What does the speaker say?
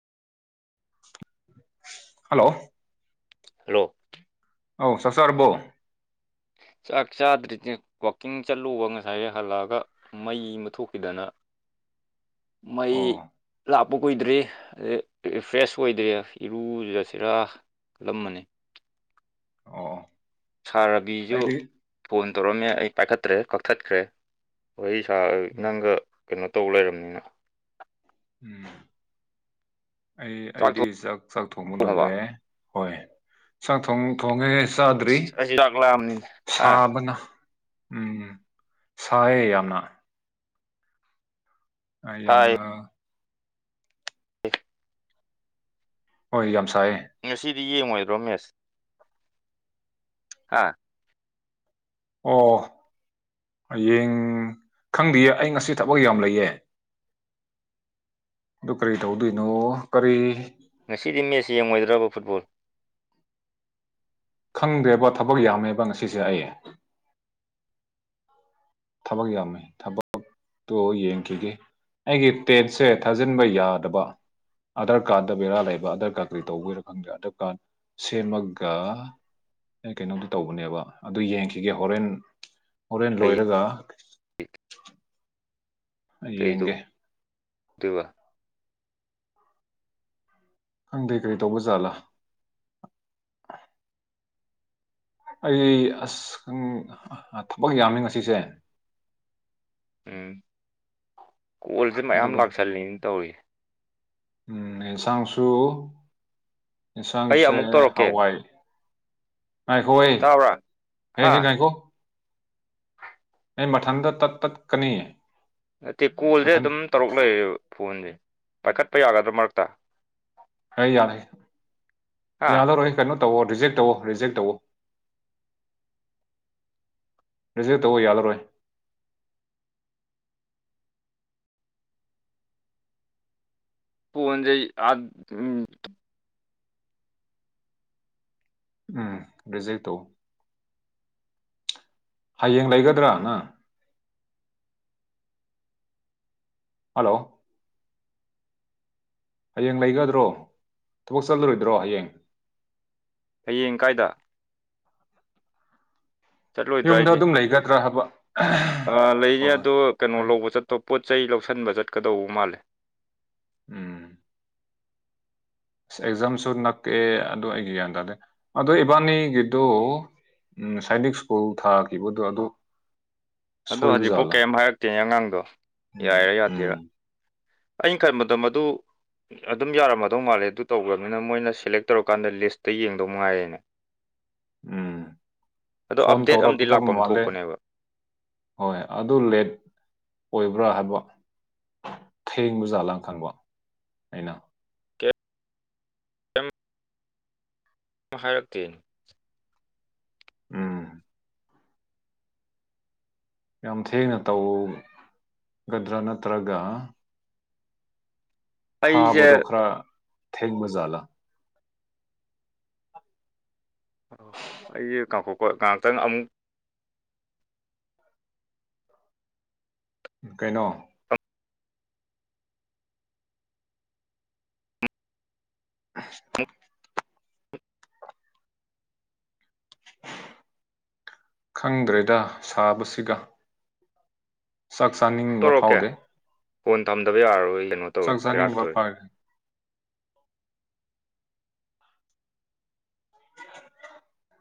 hello hello ꯑꯧ ꯁꯁꯔꯔꯕꯣ ꯆꯥꯛ ꯆꯥꯗ꯭ꯔꯤ ꯋꯥꯛꯀꯤꯡ ꯆꯠꯂꯨꯕ ꯉꯁꯥꯏ ꯍꯜꯂꯛꯑꯒ ꯃꯩ ꯑꯃ ꯊꯣꯛꯈꯤꯗꯅ ꯃꯩ ꯑꯣ ꯂꯥꯞꯄ ꯀꯨꯏꯗ꯭ꯔꯤꯔꯤ ꯐ꯭ꯔꯦꯁ ꯑꯣꯏꯗ꯭ꯔꯦ ꯏꯔꯨꯖꯁꯤꯔꯥ ꯀꯂꯝ ꯑꯃꯅꯤꯅꯤ ꯑꯣ ꯁꯥꯔꯕꯤꯁꯨ ꯑꯩꯗꯤ ꯐꯣꯟ ꯇꯧꯔꯝꯃꯦ ꯑꯩ ꯄꯥꯏꯈꯠꯇ꯭ꯔꯦ ꯀꯛꯊꯠꯈ꯭ꯔꯦ ꯍꯣꯏ ꯁꯥ ꯎꯝ ꯅꯪꯒ ꯀꯩꯅꯣ ꯇꯧ ꯂꯩꯔꯕꯅꯤꯅ ꯎꯝ ꯑꯩ ꯑꯩꯗꯤ ꯆꯥꯛ ꯆꯥꯛ ꯊꯣꯡꯕ ꯊꯣꯡꯉꯕ ꯂꯣꯏꯔꯦ ꯍꯣꯏ ꯆꯥꯛ ꯊ ꯊꯣꯡꯉꯦ ꯆꯥꯗ꯭ꯔꯤ ꯑꯁ ꯑꯩꯁꯨ ꯆꯥꯛ ꯂꯥꯝꯕꯅꯤꯅꯦ ꯍꯥ ꯁꯥꯕꯅ ꯎꯝ ꯁꯥꯏꯌꯦ ꯌꯥꯝꯅ ꯌꯥꯝꯅ ꯍ ꯍ ꯌꯥꯝꯝꯁꯥꯏ ꯉꯁꯤꯗꯤ ꯌꯦꯡꯉꯣꯏ ꯔꯣꯃꯦꯁ ꯍꯥ ꯑꯣ ꯍꯌꯦꯡ ꯈꯪꯗꯦꯌꯦ ꯑꯩ ꯉꯁꯤ ꯊꯕꯛ ꯌꯥꯝ ꯂꯩꯌꯦ ꯑꯗꯨ ꯀꯔꯤ ꯇꯧꯗꯣꯏꯅꯣ ꯀꯔꯤ ꯉꯁꯤꯗꯤ ꯃꯦꯠꯁ ꯌꯦꯡꯂꯡꯉꯣꯏꯗ꯭ꯔꯕ ꯐꯨꯠꯕꯣꯜ ꯈꯪꯗ꯭ꯔꯦꯕꯣ ꯊꯕꯛ ꯌꯥꯝꯃꯦꯕ ꯉꯁꯤꯁꯦ ꯑꯩ ꯊꯕꯛ ꯌꯥꯝꯃꯦ ꯊꯕꯛ ꯇꯣ ꯌꯦꯡꯈꯤꯒꯦ ꯑꯩꯒꯤ ꯇꯦꯠꯁꯦ ꯊꯥꯖꯤꯟꯕ ꯌꯥꯗꯕ ꯑꯙꯥꯔ ꯀꯥꯔꯗ ꯕꯦꯔꯥ ꯂꯩꯕ ꯑꯙꯥꯔ ꯀꯥꯔꯗ ꯀꯔꯤ ꯇꯧꯕꯒꯤꯔꯥ ꯈꯪꯗꯦ ꯑꯙꯥꯔ ꯀꯥꯔꯗ ꯁꯦꯝꯃꯒ ꯑꯩ ꯀꯩꯅꯣꯝꯗ ꯇꯧꯕꯅꯦꯕ ꯑꯗꯨ ꯌꯦꯡꯈꯤꯒꯦ ꯍꯣꯔꯦꯟ ꯍꯣꯔꯦꯟ ꯀꯩ ꯂꯣꯏꯔꯒ ꯑ ꯌꯦꯡꯒꯦ ꯇꯣꯏꯕ ꯈꯪꯗꯦ ꯀꯔꯤ ꯇꯧꯕꯖꯥꯠꯂꯥ ꯑꯩ ꯑꯁ ꯈꯪ ꯊꯕꯛ ꯌꯥꯝꯃꯦ ꯉꯁꯤꯁꯦ ꯎꯝ ꯀꯣꯜꯁꯦ ꯃꯌꯥꯝ ꯑꯗꯨꯒ ꯂꯥꯛꯁꯜꯂꯤꯅꯦ ꯇꯧꯔꯤꯁꯦ ꯎꯝ ꯑꯦꯟꯁꯥꯡꯁꯨ ꯑꯩ ꯌꯦꯟꯁꯥꯡꯁꯦ ꯑꯃꯨꯛ ꯇꯧꯔꯛꯀꯦ ꯍꯋꯥꯏ ꯉꯥꯏꯈꯣ ꯑꯦ ꯇꯥꯕ꯭ꯔꯥ ꯍꯦ ꯍꯥ ꯍꯦ ꯉꯥꯏꯈꯣ ꯑꯩ ꯃꯊꯟꯗ ꯇꯠ ꯇꯠꯀꯅꯤ ꯅꯠꯇꯦ ꯀꯣꯜꯁꯦ ꯃꯊꯟ ꯑꯗꯨꯝ ꯇꯧꯔꯛ ꯂꯩꯔꯦꯕ ꯐꯣꯟꯁꯦ ꯄꯥꯏꯈꯠꯄ ꯌꯥꯒꯗ꯭ꯔꯥ ꯃꯔꯛꯇ ꯑꯩ ꯌꯥꯔꯦ ꯍꯥ ꯌꯥꯗꯣꯔꯍꯦ ꯀꯩꯅꯣ ꯇꯧꯑꯣ ꯔꯤꯖꯦꯛ ꯇꯧꯑꯣ ꯔꯤꯖꯦꯛ ꯇꯧꯋꯣ ꯔꯤꯖꯦꯛ ꯇꯧꯋꯣ ꯌꯥꯂꯔꯣꯏ ꯐꯣꯟꯖꯦ ꯑ ꯎꯝ ꯎꯝ ꯔꯤꯖꯦꯛ ꯇꯧꯋꯣ ꯍꯌꯦꯡ ꯂꯩꯒꯗ꯭ꯔꯥꯅ ꯍꯜꯂꯣ ꯍꯌꯦꯡ ꯂꯩꯒꯗ꯭ꯔꯣ ꯊꯕꯛ ꯆꯠꯂꯔꯣꯏꯗ꯭ꯔꯣ ꯍꯌꯦꯡ ꯍꯌꯦꯡ ꯀꯥꯏꯗ ꯆꯠꯂꯣꯏꯗ꯭ꯔꯥ ꯌꯨꯝꯗ ꯍꯥꯏꯗꯤ ꯑꯗꯨꯝ ꯂꯩꯒꯗ꯭ꯔꯥ ꯍꯥꯏꯕ ꯑ ꯂꯩꯅꯤ ꯍꯣꯏ ꯍꯣꯏ ꯑꯗꯣ ꯀꯩꯅꯣ ꯐꯩ ꯂꯧꯕ ꯆꯠꯇꯣ ꯄꯣꯠ ꯆꯩꯩ ꯂꯧꯁꯟꯕ ꯆꯠꯀꯗꯧꯕ ꯃꯥꯜꯂꯦ ꯎꯝ ꯑꯁ ꯑꯦꯛꯖꯥꯝꯁꯨ ꯅꯛꯀꯑꯦ ꯑꯗꯨ ꯑꯩꯒꯤ ꯒ꯭ꯌꯥꯟ ꯇꯥꯗꯦ ꯑꯗꯨ ꯏꯕꯥꯅꯤꯒꯤꯗꯨ ꯎꯝ ꯉꯁꯥꯏꯗꯤ ꯁ꯭ꯀꯨꯜ ꯊꯥꯈꯤꯕꯗꯣ ꯑꯗꯨ ꯑꯗꯣ ꯁꯣꯏꯕ ꯍꯧꯖꯤꯛꯐꯥꯎ ꯖꯥꯠꯂꯥ ꯀꯔꯤꯝ ꯍꯥꯏꯔꯛꯇꯦꯅꯦ ꯑꯉꯥꯡꯗꯣ ꯎꯝ ꯌꯥꯏꯔꯤꯔꯥ ꯎꯝ ꯌꯥꯗꯤꯔꯥ ꯑꯩꯅ ꯈꯟꯕꯗ ꯃꯗꯨ ꯑꯗꯨꯝ ꯌꯥꯔꯝꯃꯗꯧ ꯃꯥꯜꯂꯦ ꯑꯗꯨ ꯇꯧꯈ꯭ꯔꯕꯅꯤꯅ ꯃꯣꯏꯅ ꯁꯦꯂꯦꯛ ꯇꯧꯔꯀꯥꯟꯗ ꯂꯤꯁꯇ ꯌꯦꯡꯗꯧ ꯃꯉꯥꯏꯔꯦꯅꯦ ꯎꯝ ꯑꯗꯣ ꯐꯣꯟ ꯑꯞꯗꯦꯠ ꯑꯃꯗꯤ ꯇꯧꯔꯛꯗꯧꯕ ꯂꯥꯛꯐꯝ ꯃꯥꯜꯂꯦ ꯊꯣꯛꯄꯅꯦꯕ ꯍꯣꯏ ꯑꯗꯨ ꯂꯦꯠ ꯑꯣꯏꯕ ꯔꯥ ꯍꯥꯏꯕ ꯊꯦꯡꯕ ꯖꯥꯠꯂ ꯈꯪꯕ ꯑꯩꯅ ꯀꯦ ꯀꯦꯝ ꯍꯥꯏꯔꯛꯇꯦꯅꯦ ꯑꯝ ꯌꯥꯝ ꯊꯦꯡꯅ ꯇꯧꯒꯗ꯭ꯔꯥ ꯅꯠꯇ꯭ꯔꯒ ꯑꯩꯁꯦ ꯊꯥꯕꯗꯣ ꯈꯔ ꯊꯦꯡꯕꯖꯥꯠꯂ ꯑ ꯑꯩꯁꯦ ꯀꯥꯡꯈꯣꯛꯀꯣ ꯉꯥꯏꯍꯥꯛꯇꯪ ꯑꯃꯨꯛ ꯀꯩꯅꯣ ꯑꯟꯑꯣꯗꯤꯕꯜ ꯈꯪꯗ꯭ꯔꯦꯗ ꯁꯥꯕꯁꯤꯒ ꯆꯥꯛ ꯆꯥꯅꯤꯡꯕ ꯇꯧꯔꯛꯀꯦ ꯐꯥꯎꯗꯦ ꯐꯣꯟ ꯊꯝꯗꯕ ꯌꯥꯔꯔꯣꯏ ꯀꯩꯅꯣ ꯇꯧꯔꯦ ꯆꯥꯛ ꯄꯦꯔꯥꯛꯀ ꯆꯥꯅꯤꯡꯕ ꯇꯧꯔꯦ ꯐꯥꯎ